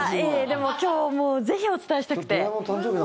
でも、今日ぜひお伝えしたくて。